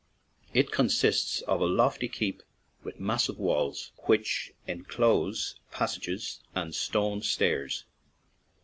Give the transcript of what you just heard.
It consists of a lofty keep with massive walls, which enclose passages and stone stairs.